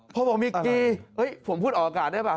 พอบอกมีกี้ผมพูดออกอากาศได้ป่